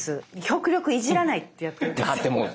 極力いじらないってやってるんですよ。